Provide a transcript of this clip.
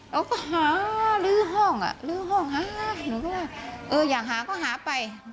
เราก็หาลื้อห้องอ่ะลื้อห้องหาหนูก็ว่าเอออยากหาก็หาไป